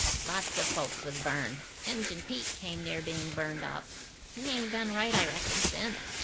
"Lots of folks was burned. Injun Pete come near being burned up. He ain't been right, I reckon, since.